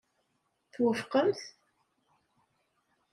Twufqemt?